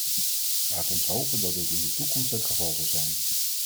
Laat ons hopen dat dit in de toekomst het geval zal zijn.